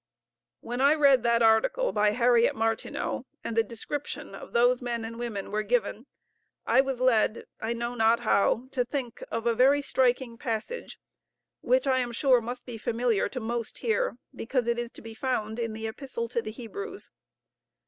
When I read that article by Harriet Martineau, and the description of those men and women there given, I was led, I know not how, to think of a very striking passage which I am sure must be familiar to most here, because it is to be found in the Epistle to the Hebrews.